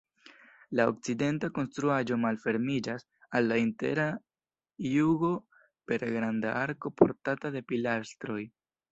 La okcidenta konstruaĵo malfermiĝas al la intera jugo per granda arko portata de pilastroj.